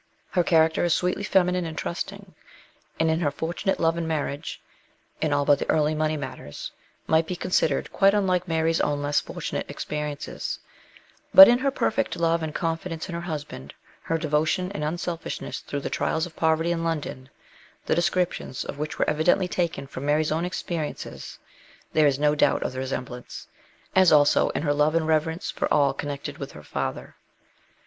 Her character is sweetly feminine and trusting, and in her fortunate love and marriage (in all but early money matters) might be considered quite unlike Mary's own less fortunate experiences ; but in her perfect love and con fidence in her husband, her devotion and unselfishness through the trials of poverty in London, the descrip tions of which were evidently taken from Mary's own experiences, there is no doubt of the resemblance, as also in her love and reverence for all connected with her father.